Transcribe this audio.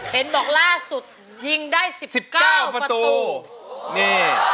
เห็นบอกล่าสุดยิงได้สิบเก้าประตูนี่